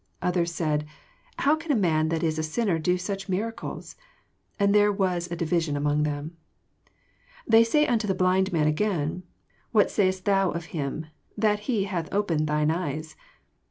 Others said. How can a man that is a sinner do such miracles? And there was a division among them. 17 They say unto the blind man again. What sayest thou of Him, that he hath opened thine eyes?